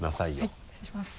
はい失礼します。